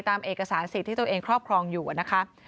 ตามเอกสารสิทธิ์ที่ตัวเองครอบครองอยู่นะคะ